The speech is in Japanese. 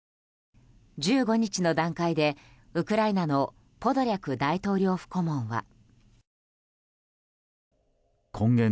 １５日の段階でウクライナのポドリャク大統領府顧問は。